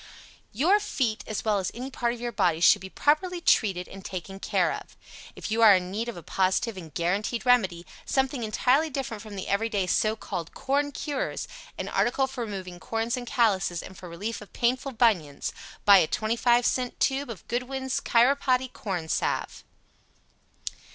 YOUR FEET as well as any part of your body, should be properly treated and taken care of. If you are in need of a positive and GUARANTEED Remedy, something entirely different from the every day SO CALLED "CORN CURES," an article for removing CORNS and CALLOUSES, and for Relief of PAINFUL BUNIONS Buy a 25c tube of Goodwin's Chiropody Corn Salve [Illustration: Image of package.